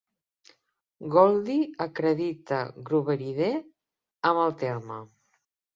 Goldie acredita Grooverider amb el terme.